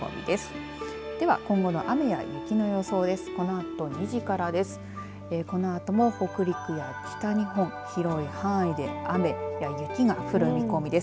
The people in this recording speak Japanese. では、今後の雨や雪の予想です。